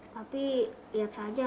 tapi lihat saja